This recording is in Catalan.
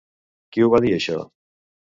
Qui ho va dir això?